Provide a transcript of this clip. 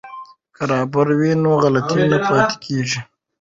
که رابر وي نو غلطي نه پاتې کیږي.